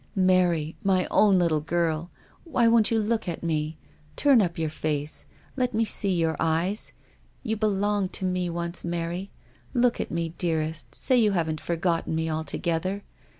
"Mary, my own little girl. Why won't you look at me ? Turn up your face. Let me see your eyes. You belonged to me once, Mary. Look at me, dearest, say you haven't forgotten me ' altogether